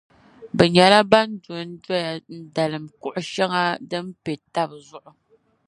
Bɛ nyɛla ban dondoya n-dalim kuɣu shεŋa din pe taba zuɣu.